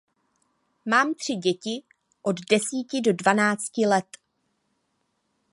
Mám tři děti od desíti do dvanácti let.